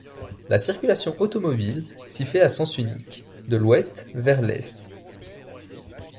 La circulation automobile s'y fait à sens unique, de l'ouest vers l'est.